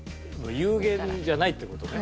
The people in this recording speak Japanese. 有限じゃないって事ね。